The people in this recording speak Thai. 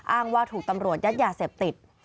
อ้างว่าถูกตำรวจยัดยาเสพติด